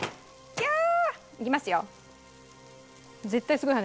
キャー！